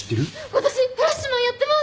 私『フラッシュマン』やってます。